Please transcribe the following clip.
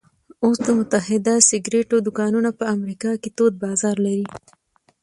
اوس د متحده سګرېټو دوکانونه په امریکا کې تود بازار لري